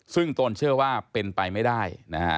ซึ่งตนเชื่อว่าเป็นไปไม่ได้นะฮะ